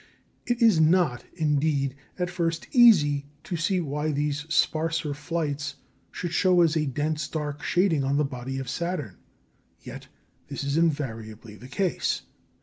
It is not, indeed, at first easy to see why these sparser flights should show as a dense dark shading on the body of Saturn. Yet this is invariably the case.